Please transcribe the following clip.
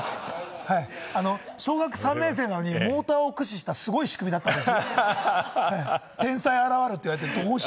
小学３年生なのに、ボーダーを駆使したすごい仕組みだったんですよ、天才現ると言われて。